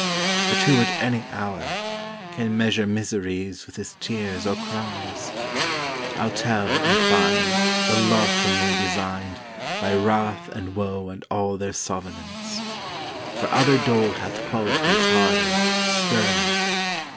But who at any hour, Can measure miseries with his tears or cries? I'll tell, in fine, the love for me design'd By wrath and woe and all their sovenance; For other dole hath qualities harder, sterner.